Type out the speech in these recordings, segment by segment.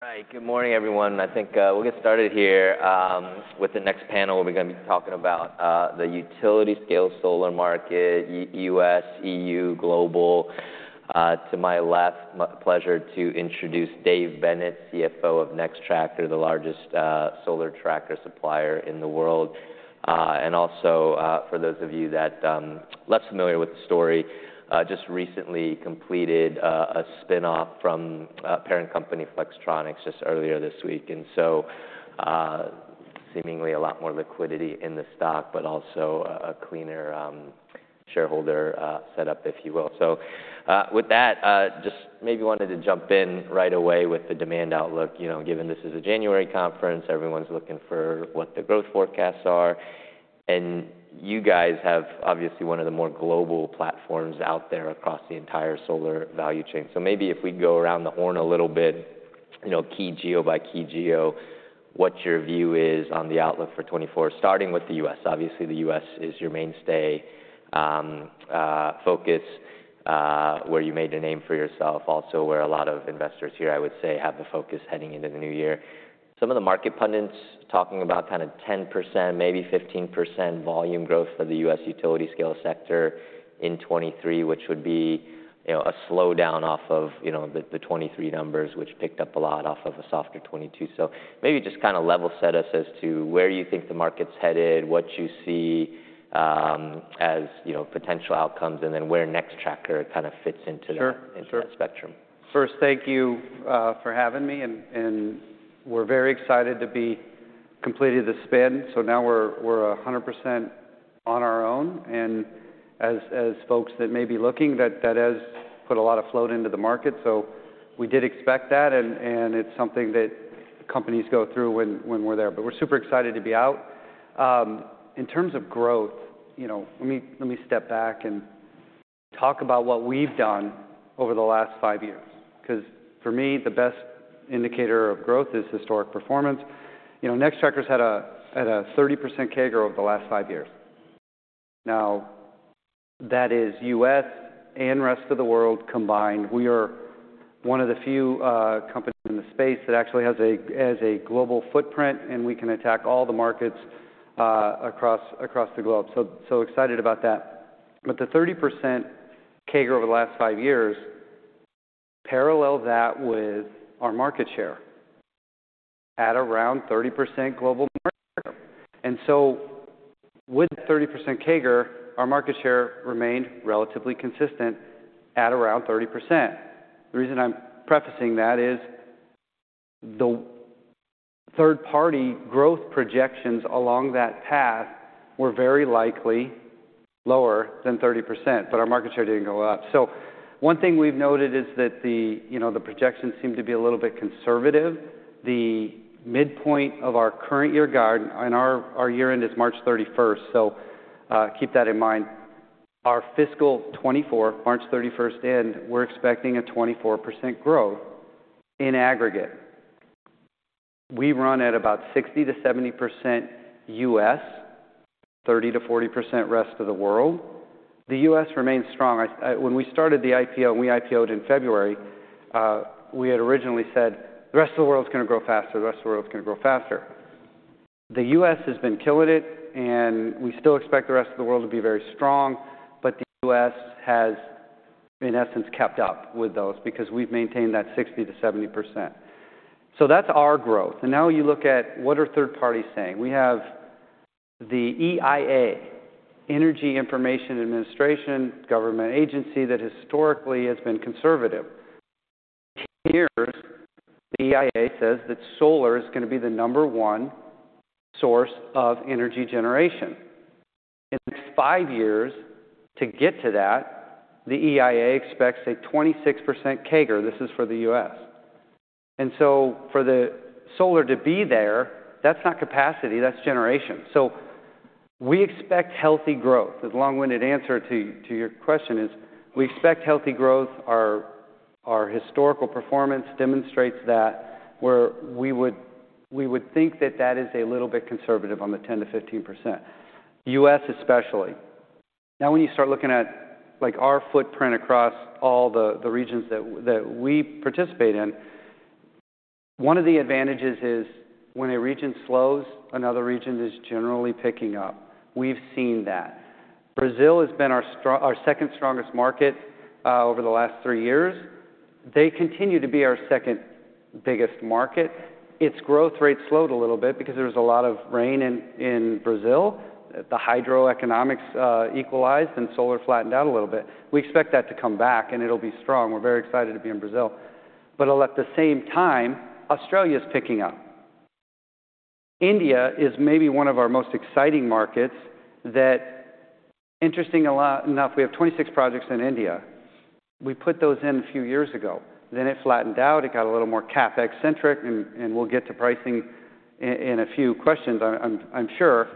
Hi, good morning, everyone. I think we'll get started here. With the next panel, we're going to be talking about the utility-scale solar market, U.S., E.U., global. To my left, my pleasure to introduce Dave Bennett, CFO of Nextracker, the largest solar tracker supplier in the world. And also, for those of you that less familiar with the story, just recently completed a spinoff from parent company, Flextronics, just earlier this week, and so, seemingly a lot more liquidity in the stock, but also a cleaner shareholder setup, if you will. So, with that, just maybe wanted to jump in right away with the demand outlook. You know, given this is a January conference, everyone's looking for what the growth forecasts are, and you guys have obviously one of the more global platforms out there across the entire solar value chain, so maybe if we go around the horn a little bit, you know, key geo by key geo, what your view is on the outlook for 2024, starting with the U.S. Obviously, the U.S. is your mainstay focus, where you made a name for yourself, also where a lot of investors here, I would say, have the focus heading into the new year. Some of the market pundits talking about kind of 10%, maybe 15% volume growth for the U.S. utility-scale sector in 2023, which would be, you know, a slowdown off of, you know, the 2023 numbers, which picked up a lot off of a softer 2022. So maybe just kind of level set us as to where you think the market's headed, what you see as, you know, potential outcomes, and then where Nextracker kind of fits into that- Sure. Into that spectrum. First, thank you for having me, and we're very excited to have completed the spin. So now we're 100% on our own, and as folks that may be looking, that has put a lot of float into the market. So we did expect that, and it's something that companies go through when we're there. But we're super excited to be out. In terms of growth, you know, let me step back and talk about what we've done over the last five years, 'cause for me, the best indicator of growth is historic performance. You know, Nextracker's had a 30% CAGR over the last five years. Now, that is U.S. and rest of the world combined. We are one of the few companies in the space that actually has a global footprint, and we can attack all the markets across the globe, so excited about that. But the 30% CAGR over the last five years, parallel that with our market share at around 30% global market. And so with 30% CAGR, our market share remained relatively consistent at around 30%. The reason I'm prefacing that is the third-party growth projections along that path were very likely lower than 30%, but our market share didn't go up. So one thing we've noted is that you know the projections seem to be a little bit conservative. The midpoint of our current year guide, and our year-end is March 31st, so keep that in mind. Our fiscal 2024, March 31st end, we're expecting a 24% growth in aggregate. We run at about 60%-70% U.S., 30%-40% rest of the world. The U.S. remains strong. I... When we started the IPO, we IPO'd in February, we had originally said, "The rest of the world's going to grow faster. The rest of the world's going to grow faster." The U.S. has been killing it, and we still expect the rest of the world to be very strong, but the U.S. has, in essence, kept up with those because we've maintained that 60%-70%. So that's our growth, and now you look at what are third parties saying? We have the EIA, U.S. Energy Information Administration, government agency that historically has been conservative. Years, the EIA says that solar is going to be the number one source of energy generation. In five years, to get to that, the EIA expects a 26% CAGR. This is for the U.S. And so for the solar to be there, that's not capacity, that's generation. So we expect healthy growth. The long-winded answer to your question is we expect healthy growth. Our historical performance demonstrates that, where we would think that that is a little bit conservative on the 10%-15%, U.S. especially. Now, when you start looking at, like, our footprint across all the regions that we participate in, one of the advantages is when a region slows, another region is generally picking up. We've seen that. Brazil has been our second strongest market over the last three years. They continue to be our second biggest market. Its growth rate slowed a little bit because there was a lot of rain in Brazil. The hydro economics equalized and solar flattened out a little bit. We expect that to come back, and it'll be strong. We're very excited to be in Brazil. But at the same time, Australia is picking up. India is maybe one of our most exciting markets that we have 26 projects in India. We put those in a few years ago, then it flattened out. It got a little more CapEx-centric, and we'll get to pricing in a few questions, I'm sure.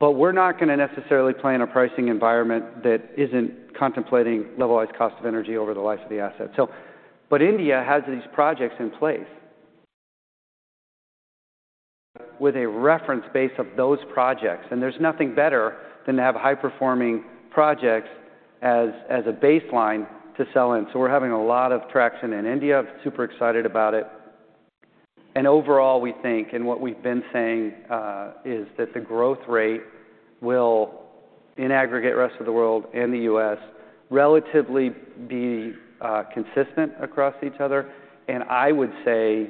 But we're not going to necessarily play in a pricing environment that isn't contemplating levelized cost of energy over the life of the asset. So but India has these projects in place. with a reference base of those projects, and there's nothing better than to have high-performing projects as a baseline to sell in. So we're having a lot of traction in India. I'm super excited about it. And overall, we think, and what we've been saying, is that the growth rate will, in aggregate, rest of the world and the U.S., relatively be consistent across each other. And I would say,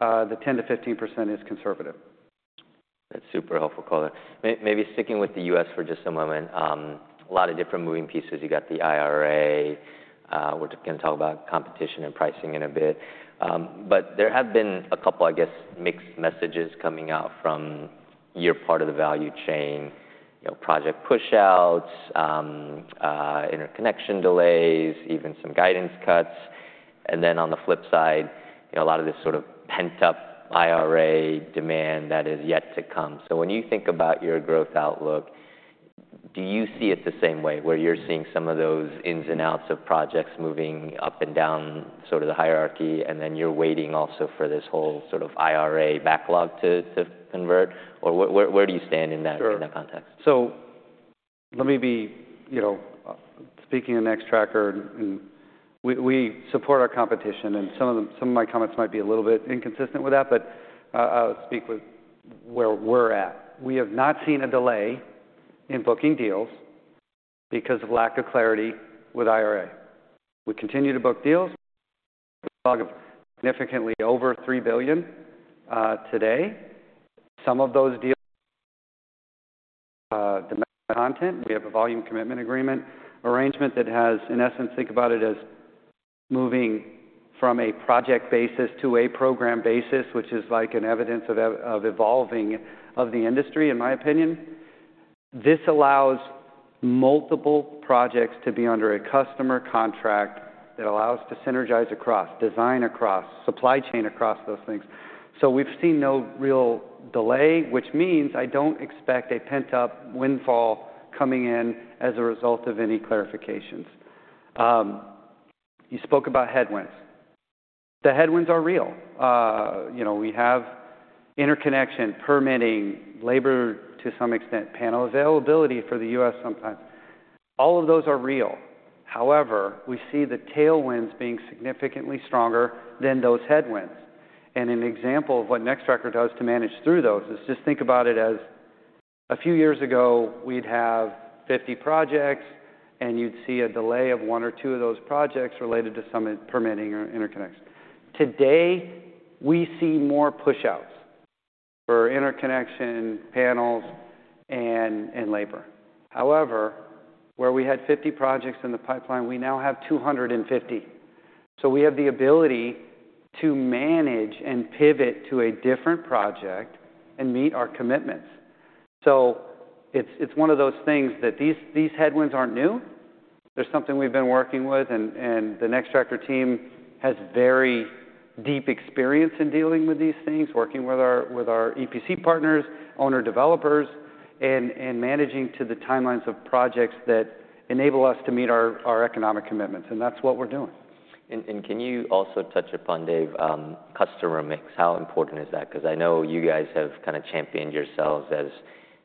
the 10%-15% is conservative. That's super helpful, color. Maybe sticking with the U.S. for just a moment, a lot of different moving pieces. You got the IRA, we're going to talk about competition and pricing in a bit. But there have been a couple, I guess, mixed messages coming out from your part of the value chain. You know, project push-outs, interconnection delays, even some guidance cuts. And then on the flip side, you know, a lot of this sort of pent-up IRA demand that is yet to come. So when you think about your growth outlook, do you see it the same way, where you're seeing some of those ins-and-outs of projects moving up and down, sort of the hierarchy, and then you're waiting also for this whole sort of IRA backlog to convert? Or where do you stand in that? Sure... in that context? So let me be, you know, speaking of Nextracker, and we support our competition, and some of them, some of my comments might be a little bit inconsistent with that, but I'll speak with where we're at. We have not seen a delay in booking deals because of lack of clarity with IRA. We continue to book deals, significantly over $3 billion today. Some of those deals, the content, we have a volume commitment agreement, arrangement that has, in essence, think about it as moving from a project basis to a program basis, which is like an evidence of evolving of the industry, in my opinion. This allows multiple projects to be under a customer contract that allows to synergize across, design across, supply chain across those things. So we've seen no real delay, which means I don't expect a pent-up windfall coming in as a result of any clarifications. You spoke about headwinds. The headwinds are real. You know, we have interconnection, permitting, labor, to some extent, panel availability for the U.S. sometimes. All of those are real. However, we see the tailwinds being significantly stronger than those headwinds. And an example of what Nextracker does to manage through those is just think about it as a few years ago, we'd have 50 projects, and you'd see a delay of one or two of those projects related to some permitting or interconnection. Today, we see more pushouts for interconnection, panels, and labor. However, where we had 50 projects in the pipeline, we now have 250. So we have the ability to manage and pivot to a different project and meet our commitments. So it's, it's one of those things that these, these headwinds aren't new. They're something we've been working with, and, and the Nextracker team has very deep experience in dealing with these things, working with our, with our EPC partners, owner developers, and, and managing to the timelines of projects that enable us to meet our, our economic commitments, and that's what we're doing. And can you also touch upon, Dave, customer mix? How important is that? Because I know you guys have kind of championed yourselves as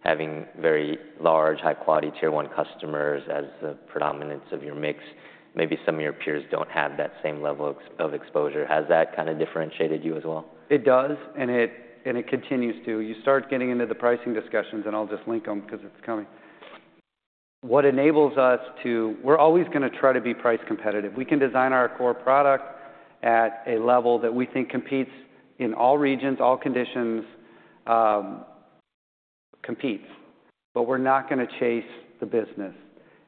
having very large, high-quality Tier I customers as the predominance of your mix. Maybe some of your peers don't have that same level of exposure. Has that kind of differentiated you as well? It does, and it continues to. You start getting into the pricing discussions, and I'll just link them because it's coming. What enables us to... We're always going to try to be price competitive. We can design our core product at a level that we think competes in all regions, all conditions, competes, but we're not going to chase the business.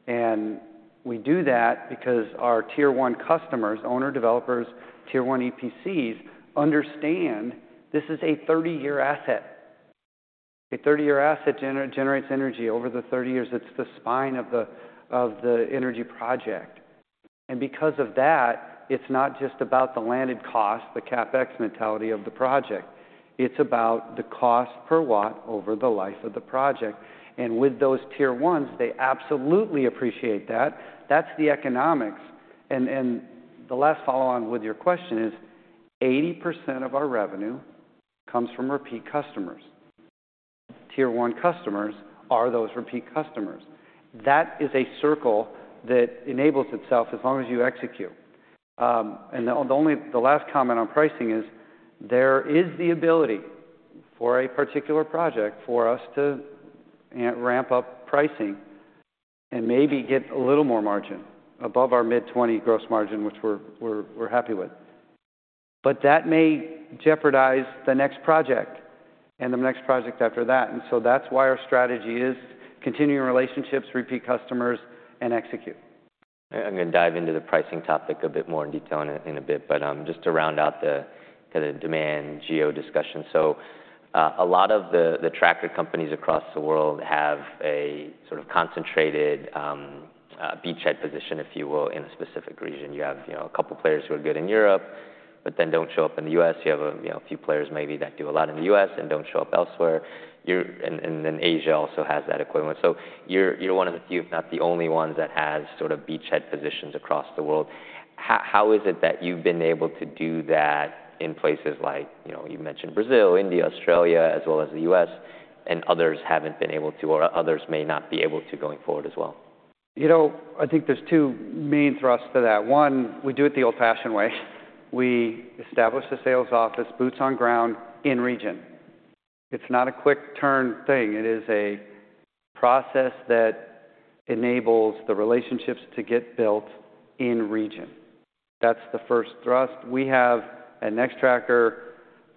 And we do that because our Tier I customers, owner developers, Tier I EPCs, understand this is a 30-year asset. A 30-year asset generates energy. Over the 30 years, it's the spine of the energy project. And because of that, it's not just about the landed cost, the CapEx mentality of the project. It's about the cost per watt over the life of the project. And with those Tier Is, they absolutely appreciate that. That's the economics. The last follow on with your question is, 80% of our revenue comes from repeat customers. Tier I customers are those repeat customers. That is a circle that enables itself as long as you execute. And the last comment on pricing is there is the ability for a particular project for us to ramp up pricing and maybe get a little more margin above our mid-20% gross margin, which we're happy with. But that may jeopardize the next project and the next project after that. And so that's why our strategy is continuing relationships, repeat customers, and execute. I'm going to dive into the pricing topic a bit more in detail in a bit, but just to round out the kind of demand geo discussion. So a lot of the tracker companies across the world have a sort of concentrated beachhead position, if you will, in a specific region. You have, you know, a couple of players who are good in Europe, but then don't show up in the U.S. You have, you know, a few players maybe that do a lot in the U.S. and don't show up elsewhere. And then Asia also has that equivalent. So you're one of the few, if not the only ones, that has sort of beachhead positions across the world.... How, how is it that you've been able to do that in places like, you know, you mentioned Brazil, India, Australia, as well as the U.S., and others haven't been able to, or others may not be able to going forward as well? You know, I think there's two main thrusts to that. One, we do it the old-fashioned way. We establish a sales office, boots on ground, in region. It's not a quick-turn thing. It is a process that enables the relationships to get built in region. That's the first thrust. We have at Nextracker,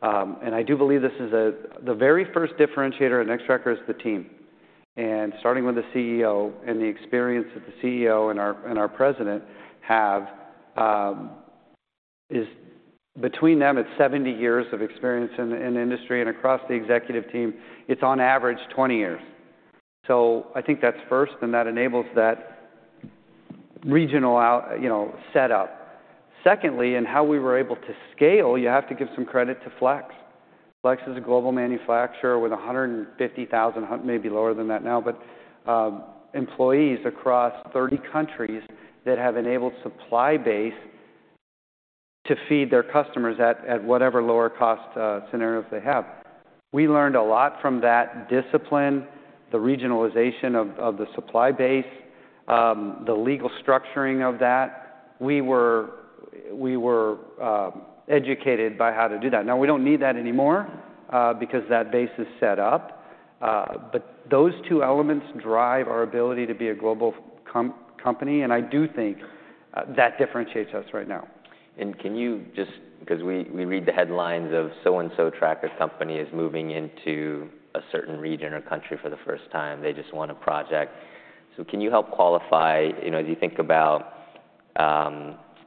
and I do believe this is the very first differentiator at Nextracker is the team. And starting with the CEO and the experience that the CEO and our, and our president have, is between them, it's 70 years of experience in the industry, and across the executive team, it's on average 20 years. So I think that's first, and that enables that regional out, you know, setup. Secondly, in how we were able to scale, you have to give some credit to Flex. Flex is a global manufacturer with 150,000, maybe lower than that now, but, employees across 30 countries that have enabled supply base to feed their customers at whatever lower cost scenarios they have. We learned a lot from that discipline, the regionalization of the supply base, the legal structuring of that. We were educated by how to do that. Now, we don't need that anymore, because that base is set up, but those two elements drive our ability to be a global company, and I do think that differentiates us right now. Can you just 'cause we read the headlines of so-and-so tracker company is moving into a certain region or country for the first time. They just want a project. So can you help qualify... You know, as you think about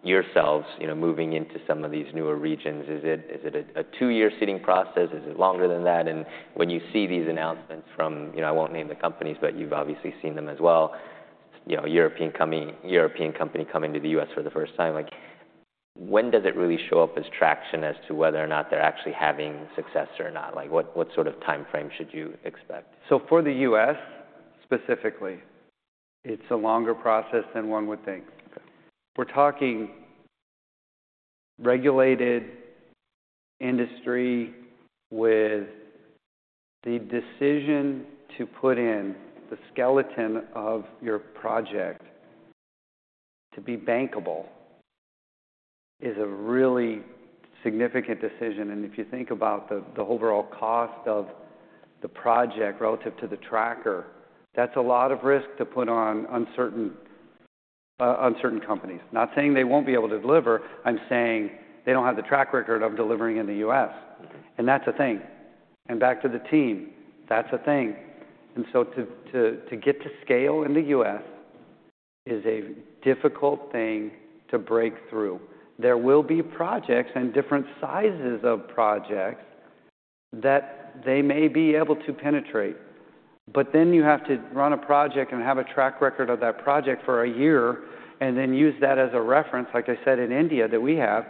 yourselves, you know, moving into some of these newer regions, is it a two-year seeding process? Is it longer than that? And when you see these announcements from, you know, I won't name the companies, but you've obviously seen them as well, you know, a European company coming to the U.S. for the first time, like, when does it really show up as traction as to whether or not they're actually having success or not? Like, what sort of timeframe should you expect? For the U.S., specifically, it's a longer process than one would think. Okay. We're talking regulated industry with the decision to put in the skeleton of your project to be bankable is a really significant decision, and if you think about the overall cost of the project relative to the tracker, that's a lot of risk to put on uncertain companies. Not saying they won't be able to deliver, I'm saying they don't have the track record of delivering in the U.S. Mm-hmm. And that's a thing. And back to the team, that's a thing. And so to get to scale in the U.S. is a difficult thing to break through. There will be projects and different sizes of projects that they may be able to penetrate, but then you have to run a project and have a track record of that project for a year and then use that as a reference, like I said, in India, that we have,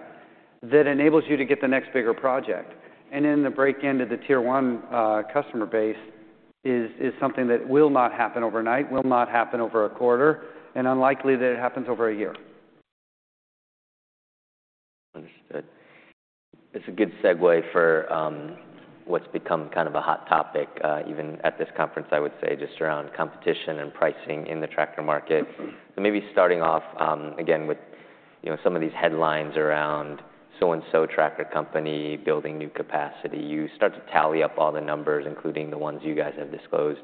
that enables you to get the next bigger project. And then the break into the Tier One customer base is something that will not happen overnight, will not happen over a quarter, and unlikely that it happens over a year. Understood. It's a good segue for what's become kind of a hot topic, even at this conference, I would say, just around competition and pricing in the tracker market. Mm-hmm. So maybe starting off, again, with, you know, some of these headlines around so-and-so tracker company building new capacity. You start to tally up all the numbers, including the ones you guys have disclosed,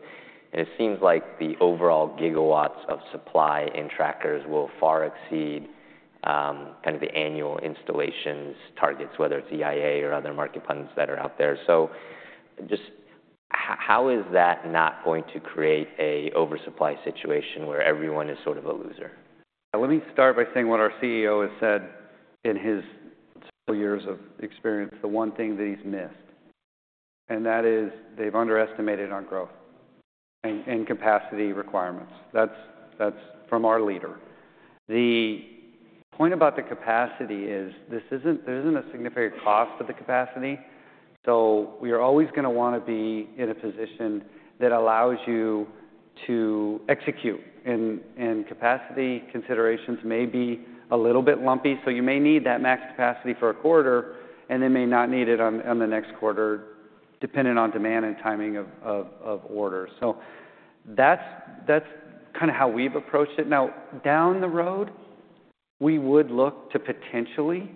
and it seems like the overall gigawatts of supply in trackers will far exceed, kind of the annual installations targets, whether it's EIA or other market plans that are out there. So just how is that not going to create an oversupply situation where everyone is sort of a loser? Let me start by saying what our CEO has said in his years of experience, the one thing that he's missed, and that is they've underestimated on growth and capacity requirements. That's from our leader. The point about the capacity is there isn't a significant cost to the capacity, so we are always going to want to be in a position that allows you to execute. Capacity considerations may be a little bit lumpy, so you may need that max capacity for a quarter, and then may not need it on the next quarter, depending on demand and timing of orders. So that's kinda how we've approached it. Now, down the road, we would look to potentially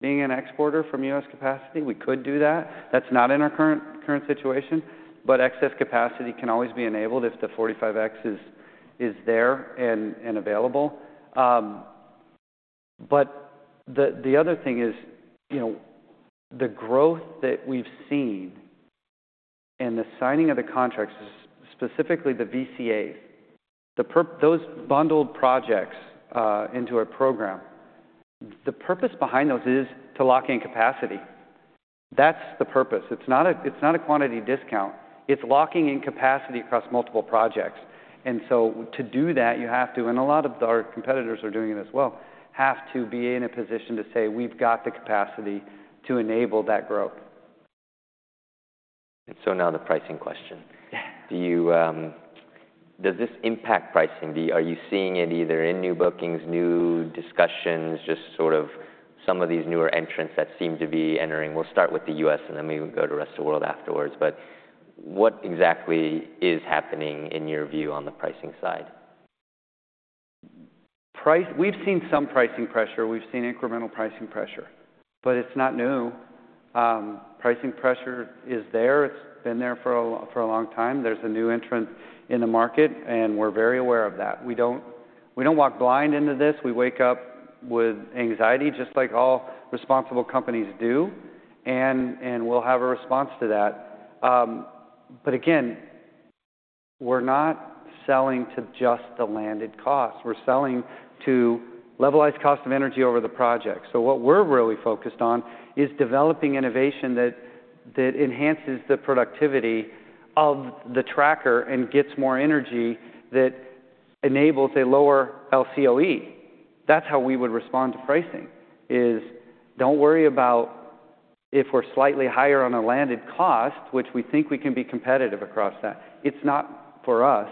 being an exporter from U.S. capacity. We could do that. That's not in our current situation, but excess capacity can always be enabled if the 45X is there and available. But the other thing is, you know, the growth that we've seen and the signing of the contracts, specifically the VCAs, those bundled projects into a program, the purpose behind those is to lock in capacity. That's the purpose. It's not a quantity discount. It's locking in capacity across multiple projects, and so to do that, you have to, and a lot of our competitors are doing it as well, have to be in a position to say, "We've got the capacity to enable that growth.... So now the pricing question. Yeah. Does this impact pricing? Are you seeing it either in new bookings, new discussions, just sort of some of these newer entrants that seem to be entering? We'll start with the U.S., and then we will go to rest of the world afterwards. But what exactly is happening, in your view, on the pricing side? Pricing. We've seen some pricing pressure. We've seen incremental pricing pressure, but it's not new. Pricing pressure is there. It's been there for a long time. There's a new entrant in the market, and we're very aware of that. We don't walk blind into this. We wake up with anxiety, just like all responsible companies do, and we'll have a response to that. But again, we're not selling to just the landed cost. We're selling to levelized cost of energy over the project. So what we're really focused on is developing innovation that enhances the productivity of the tracker and gets more energy that enables a lower LCOE. That's how we would respond to pricing: don't worry about if we're slightly higher on a landed cost, which we think we can be competitive across that. It's not, for us,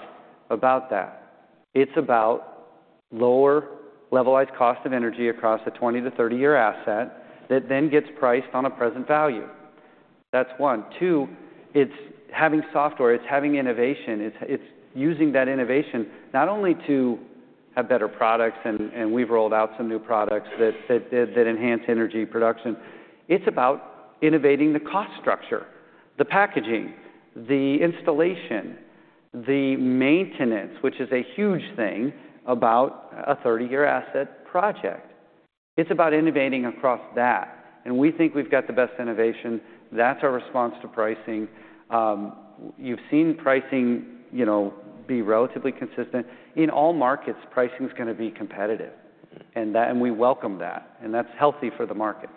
about that. It's about lower levelized cost of energy across a 20-30-year asset that then gets priced on a present value. That's one. Two, it's having software. It's having innovation. It's using that innovation not only to have better products, and we've rolled out some new products that enhance energy production. It's about innovating the cost structure, the packaging, the installation, the maintenance, which is a huge thing about a 30-year asset project. It's about innovating across that, and we think we've got the best innovation. That's our response to pricing. You've seen pricing, you know, be relatively consistent. In all markets, pricing is going to be competitive, and that, and we welcome that, and that's healthy for the market.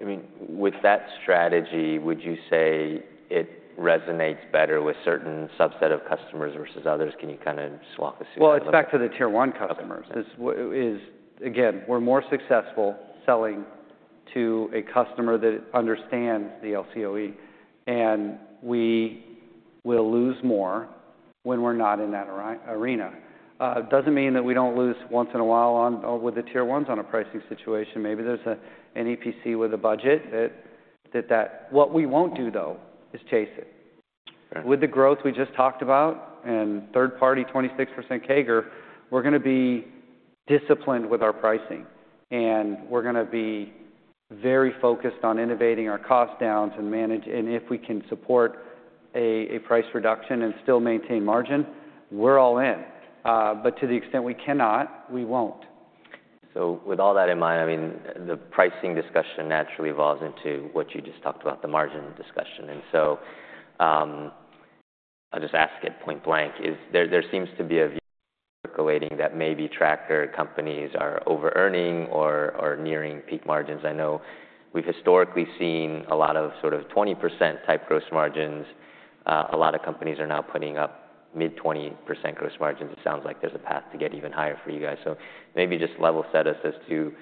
I mean, with that strategy, would you say it resonates better with certain subset of customers versus others? Can you kind of walk us through that a little? Well, it's back to the Tier I customers. Okay. Again, we're more successful selling to a customer that understands the LCOE, and we will lose more when we're not in that arena. It doesn't mean that we don't lose once in a while with the Tier Is on a pricing situation. Maybe there's an EPC with a budget that... What we won't do, though, is chase it. Okay. With the growth we just talked about and third party, 26% CAGR, we're going to be disciplined with our pricing, and we're going to be very focused on innovating our cost-downs and if we can support a price reduction and still maintain margin, we're all in. But to the extent we cannot, we won't. So with all that in mind, I mean, the pricing discussion naturally evolves into what you just talked about, the margin discussion. And so, I'll just ask it point blank. There seems to be a view percolating that maybe tracker companies are overearning or nearing peak margins. I know we've historically seen a lot of sort of 20%-type gross margins. A lot of companies are now putting up mid-20% gross margins. It sounds like there's a path to get even higher for you guys. So maybe just level set us as to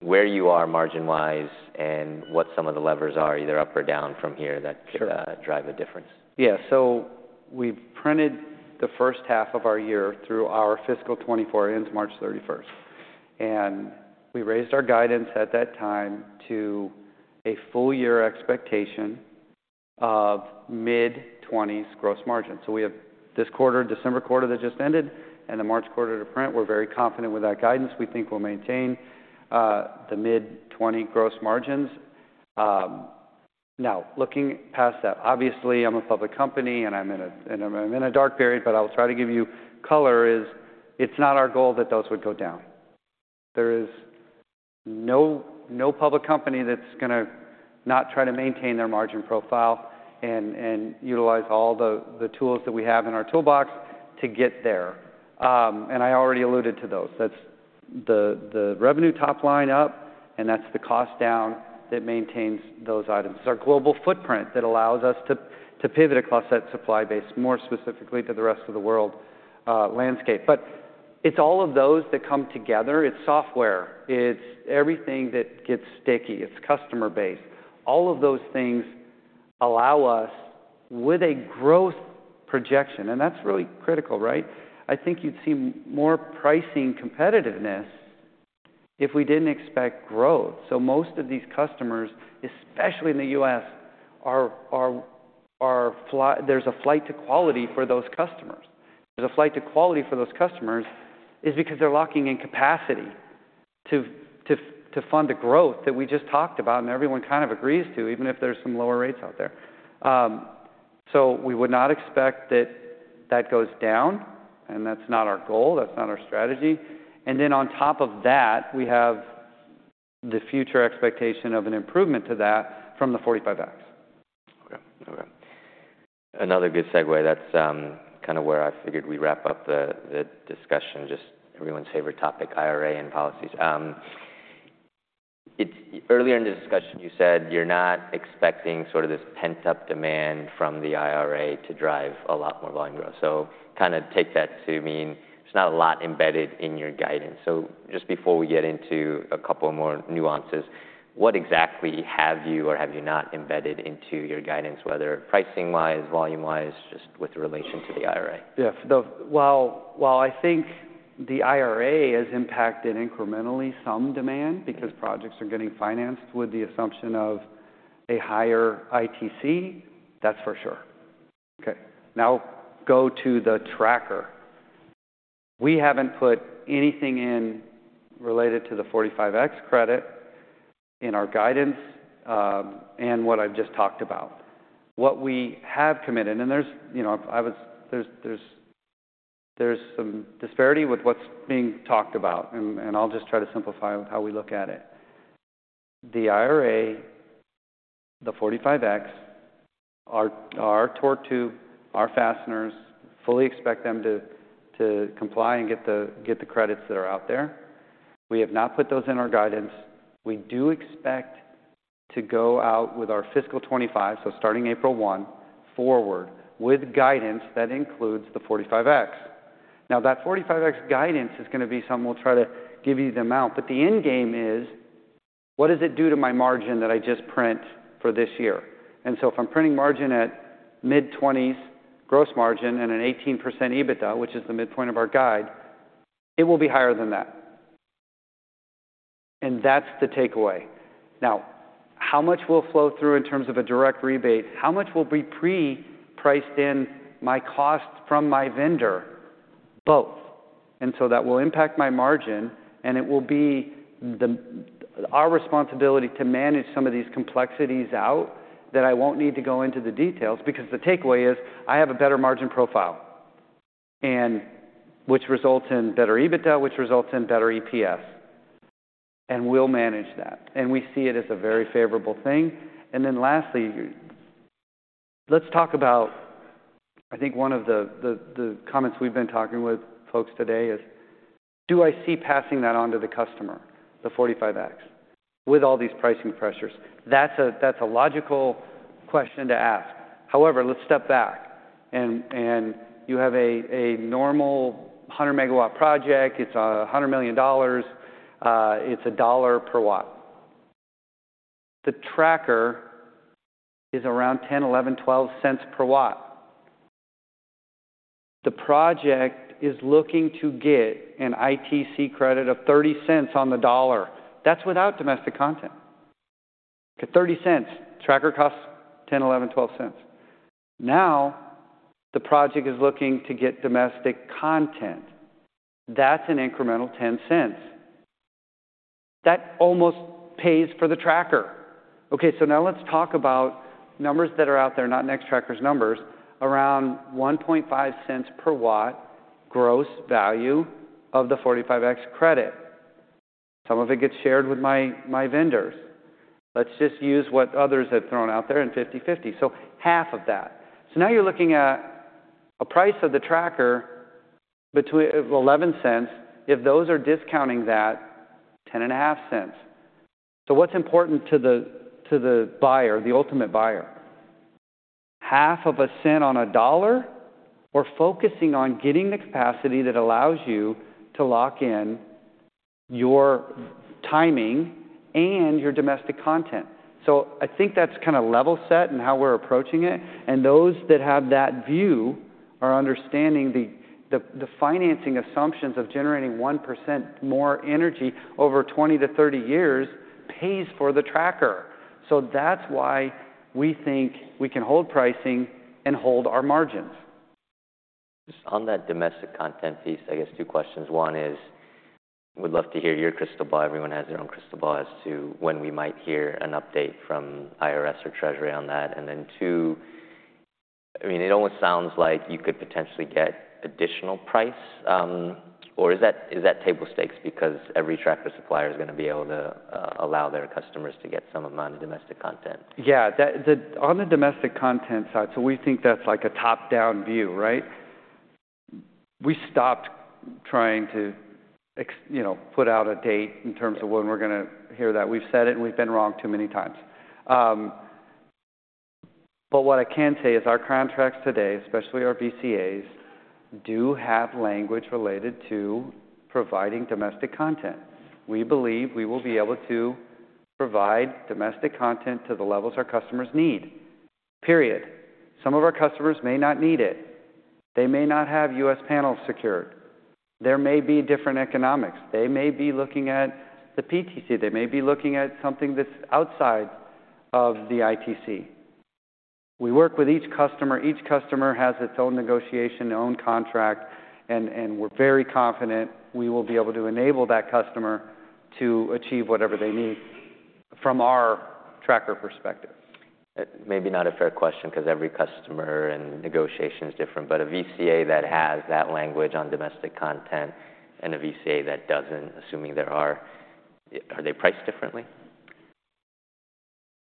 where you are margin-wise and what some of the levers are, either up or down from here, that- Sure - could drive the difference. Yeah. So we've printed the first half of our year through our fiscal 2024 ends March 31st, and we raised our guidance at that time to a full-year expectation of mid-20s gross margin. So we have this quarter, December quarter, that just ended, and the March quarter to print. We're very confident with that guidance. We think we'll maintain the mid-20% gross margins. Now, looking past that, obviously, I'm a public company, and I'm in a dark period, but I'll try to give you color. It's not our goal that those would go down. There is no public company that's going to not try to maintain their margin profile and utilize all the tools that we have in our toolbox to get there. And I already alluded to those. That's the revenue top-line up, and that's the cost-down that maintains those items. It's our global footprint that allows us to pivot across that supply base, more specifically to the rest-of-the world landscape. But it's all of those that come together. It's software. It's everything that gets sticky. It's customer base. All of those things allow us with a growth projection, and that's really critical, right? I think you'd see more pricing competitiveness if we didn't expect growth. So most of these customers, especially in the U.S., are. There's a flight to quality for those customers. There's a flight to quality for those customers is because they're locking in capacity to fund the growth that we just talked about, and everyone kind of agrees to, even if there's some lower rates out there. So we would not expect that that goes down, and that's not our goal. That's not our strategy. And then on top of that, we have the future expectation of an improvement to that from the 45X. Okay. Okay. Another good segue. That's, kind of where I figured we'd wrap up the discussion, just everyone's favorite topic, IRA and policies. Earlier in the discussion, you said you're not expecting sort of this pent-up demand from the IRA to drive a lot more volume growth. So kind of take that to mean there's not a lot embedded in your guidance. So just before we get into a couple of more nuances. What exactly have you or have you not embedded into your guidance, whether pricing-wise, volume-wise, just with relation to the IRA? Yeah, while I think the IRA has impacted incrementally some demand, because projects are getting financed with the assumption of a higher ITC, that's for sure. Okay, now go to the tracker. We haven't put anything in related to the 45X credit in our guidance, and what I've just talked about. What we have committed, and there's, you know, there's some disparity with what's being talked about, and I'll just try to simplify how we look at it. The IRA, the 45X, our torque tube, our fasteners, fully expect them to comply and get the credits that are out there. We have not put those in our guidance. We do expect to go out with our fiscal 2025, so starting April 1, forward with guidance that includes the 45X. Now, that 45X guidance is going to be something we'll try to give you the amount, but the end game is: what does it do to my margin that I just print for this year? And so if I'm printing margin at mid-20s gross margin and an 18% EBITDA, which is the midpoint of our guide, it will be higher than that. And that's the takeaway. Now, how much will flow through in terms of a direct rebate? How much will be pre-priced in my cost from my vendor? Both. And so that will impact my margin, and it will be the, our responsibility to manage some of these complexities out, that I won't need to go into the details, because the takeaway is I have a better margin profile, and which results in better EBITDA, which results in better EPS, and we'll manage that. We see it as a very favorable thing. Then lastly, let's talk about... I think one of the comments we've been talking with folks today is, do I see passing that on to the customer, the 45X, with all these pricing pressures? That's a logical question to ask. However, let's step back and you have a normal 100 MW project. It's $100 million, it's $1 per watt. The tracker is around $0.10-$0.12 per watt. The project is looking to get an ITC credit of 30 cents on the dollar. That's without domestic content. Okay, $0.30. Tracker costs $0.10-$0.12. Now, the project is looking to get domestic content. That's an incremental 10 cents. That almost pays for the tracker. Okay, so now let's talk about numbers that are out there, not Nextracker's numbers, around $0.015 per watt gross value of the 45X credit. Some of it gets shared with my vendors. Let's just use what others have thrown out there and 50/50, so half of that. So now you're looking at a price of the tracker between $0.11, if those are discounting that $0.105. So what's important to the buyer, the ultimate buyer? $0.005 on a dollar or focusing on getting the capacity that allows you to lock in your timing and your domestic content. I think that's kind of level-set in how we're approaching it, and those that have that view are understanding the financing assumptions of generating 1% more energy over 20-30 years pays for the tracker. So that's why we think we can hold pricing and hold our margins. On that domestic content piece, I guess two questions. One is, would love to hear your crystal ball. Everyone has their own crystal ball as to when we might hear an update from IRS or Treasury on that. And then two, I mean, it almost sounds like you could potentially get additional price, or is that, is that table stakes? Because every tracker supplier is going to be able to allow their customers to get some amount of domestic content. Yeah, on the domestic content side, so we think that's like a top down view, right? We stopped trying to, you know, put out a date in terms of when we're going to hear that. We've said it, and we've been wrong too many times. But what I can say is our contracts today, especially our VCAs, do have language related to providing domestic content. We believe we will be able to provide domestic content to the levels our customers need, period. Some of our customers may not need it. They may not have U.S. panels secured. There may be different economics. They may be looking at the PTC. They may be looking at something that's outside of the ITC. We work with each customer. Each customer has its own negotiation, own contract, and we're very confident we will be able to enable that customer to achieve whatever they need from our tracker perspective. Maybe not a fair question, 'cause every customer and negotiation is different, but a VCA that has that language on domestic content and a VCA that doesn't, assuming there are, are they priced differently?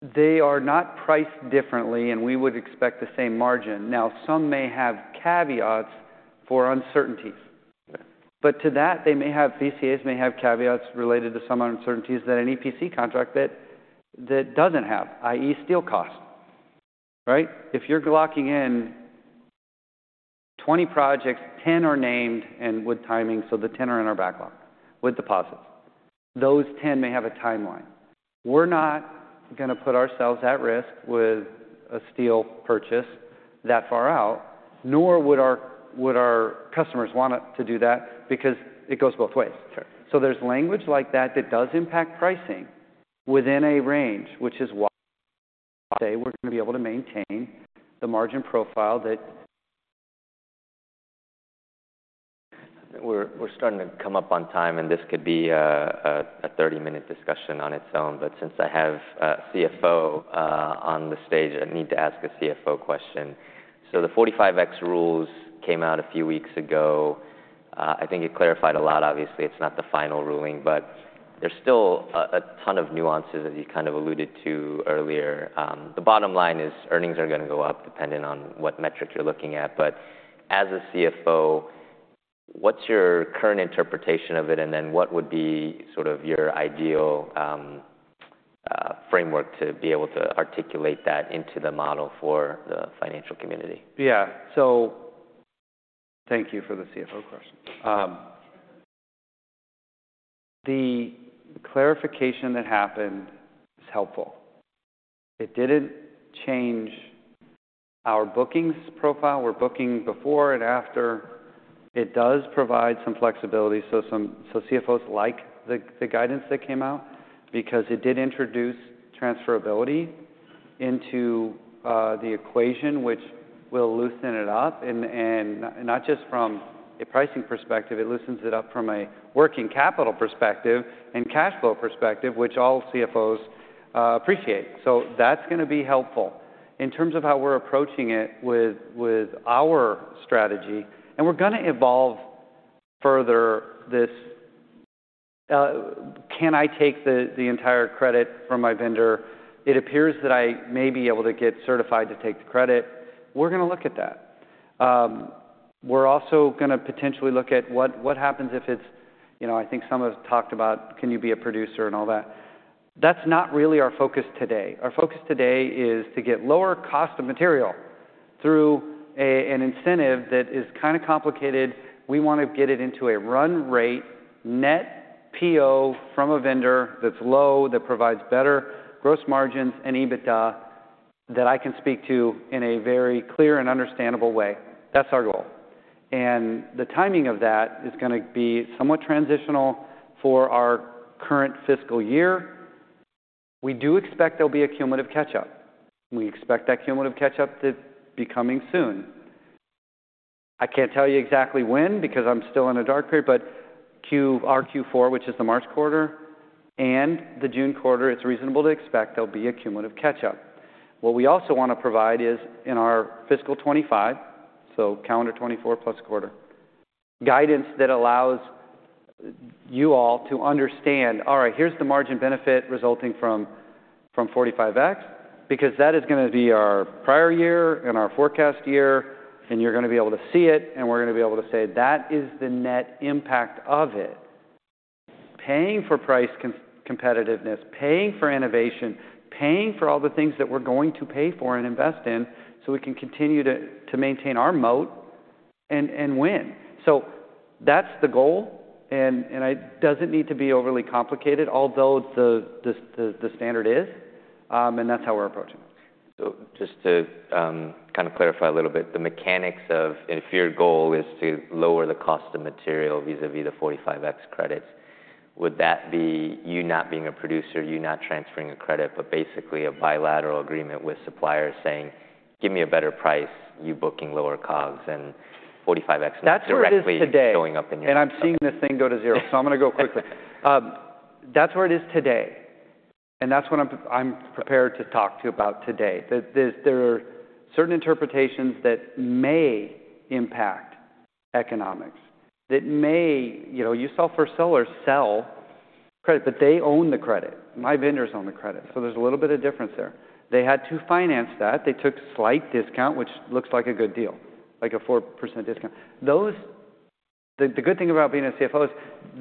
They are not priced differently, and we would expect the same margin. Now, some may have caveats for uncertainties. Okay. But to that, they may have VCAs may have caveats related to some uncertainties that an EPC contract that doesn't have, i.e., steel cost, right? If you're locking in 20 projects, 10 are named and with timing, so the 10 are in our backlog with deposits. Those 10 may have a timeline. We're not going to put ourselves at risk with a steel purchase that far out, nor would our customers want us to do that, because it goes both ways. Sure. So there's language like that that does impact pricing within a range, which is why we say we're going to be able to maintain the margin profile that... We're starting to come up on time, and this could be a 30-minute discussion on its own, but since I have a CFO on the stage, I need to ask a CFO question. So the 45X rules came out a few weeks ago. I think it clarified a lot. Obviously, it's not the final ruling, but there's still a ton of nuances as you kind of alluded to earlier. The bottom line is earnings are going to go up depending on what metric you're looking at. But as a CFO, what's your current interpretation of it, and then what would be sort of your ideal framework to be able to articulate that into the model for the financial community? Yeah. So thank you for the CFO question. The clarification that happened is helpful. It didn't change our bookings profile. We're booking before and after. It does provide some flexibility, so some. So CFOs like the guidance that came out because it did introduce transferability into the equation, which will loosen it up, and not just from a pricing perspective, it loosens it up from a working-capital perspective and cash-flow perspective, which all CFOs appreciate. So that's going to be helpful. In terms of how we're approaching it with our strategy, and we're going to evolve this further, can I take the entire credit from my vendor? It appears that I may be able to get certified to take the credit. We're going to look at that. We're also going to potentially look at what, what happens if it's, you know, I think some of us talked about, can you be a producer and all that? That's not really our focus today. Our focus today is to get lower cost of material through an incentive that is kind of complicated. We want to get it into a run-rate net PO from a vendor that's low, that provides better gross margins and EBITDA that I can speak to in a very clear and understandable way. That's our goal, and the timing of that is going to be somewhat transitional for our current fiscal year. We do expect there'll be a cumulative catch-up. We expect that cumulative catch-up to be coming soon. I can't tell you exactly when because I'm still in a dark period, but our Q4, which is the March quarter, and the June quarter, it's reasonable to expect there'll be a cumulative catch-up. What we also want to provide is in our fiscal 2025, so calendar 2024 plus quarter, guidance that allows you all to understand, all right, here's the margin benefit resulting from 45X, because that is going to be our prior-year and our forecast-year, and you're going to be able to see it, and we're going to be able to say that is the net impact of it. Paying for price competitiveness, paying for innovation, paying for all the things that we're going to pay for and invest in so we can continue to maintain our moat and win. So that's the goal, and it doesn't need to be overly complicated, although the standard is, and that's how we're approaching it. So just to kind of clarify a little bit, the mechanics of if your goal is to lower the cost of material vis-à-vis the 45X credits, would that be you not being a producer, you not transferring a credit, but basically a bilateral agreement with suppliers saying, "Give me a better price," you booking lower COGS and 45X- That's where it is today- directly showing up in your And I'm seeing this thing go to zero, so I'm going to go quickly. That's where it is today, and that's what I'm prepared to talk to you about today. There are certain interpretations that may impact economics, that may... You know, you saw First Solar sell credit, but they own the credit. My vendors own the credit, so there's a little bit of difference there. They had to finance that. They took slight discount, which looks like a good deal, like a 4% discount. The good thing about being a CFO is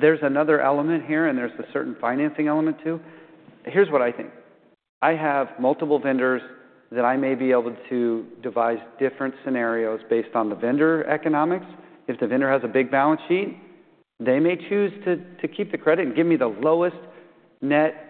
there's another element here, and there's a certain financing element, too. Here's what I think: I have multiple vendors that I may be able to devise different scenarios based on the vendor economics. If the vendor has a big balance sheet, they may choose to keep the credit and give me the lowest net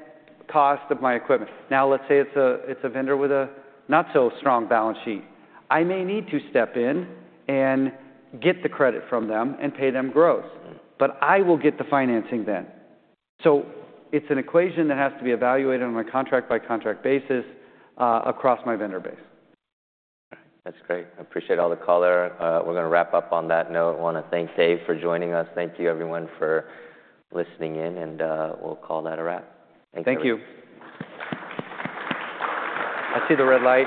cost of my equipment. Now, let's say it's a vendor with a not-so-strong balance sheet. I may need to step in and get the credit from them and pay them gross- Mm-hmm. But I will get the financing then. So it's an equation that has to be evaluated on a contract-by-contract basis across my vendor base. That's great. I appreciate all the color. We're going to wrap up on that note. I want to thank Dave for joining us. Thank you, everyone, for listening in, and we'll call that a wrap. Thank you. Thank you. I see the red light.